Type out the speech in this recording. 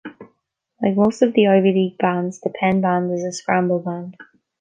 Like most of the Ivy League Bands, the Penn Band is a scramble band.